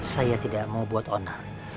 saya tidak mau buat orang